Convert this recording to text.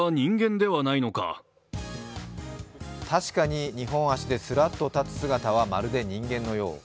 確かに二本足ですらっと立つ姿はまるで人間のよう。